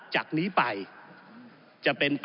ก็ได้มีการอภิปรายในภาคของท่านประธานที่กรกครับ